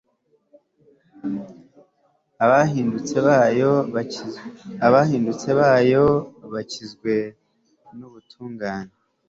abahindutse bayo bakizwe n'ubutungane